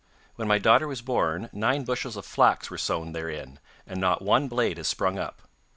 When my daughter was born nine bushels of flax were sown therein, and not one blade has sprung up.